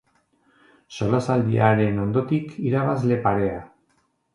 Solasaldiaren ondotik, irabazle parea.